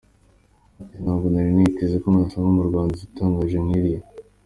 Ati “Ntabwo nari niteze ko nasanga mu Rwanda inzu itangaje nk’iriya.